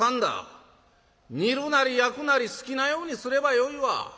煮るなり焼くなり好きなようにすればよいわ」。